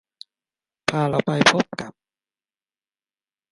พาเราไปพบกับ